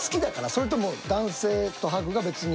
それとも男性とハグが別に。